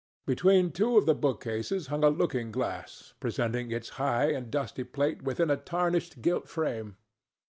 Between two of the bookcases hung a looking glass, presenting its high and dusty plate within a tarnished gilt frame.